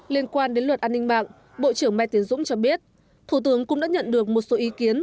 liên quan đến luật an ninh mạng bộ trưởng mai tiến dũng cho biết thủ tướng cũng đã nhận được một số ý kiến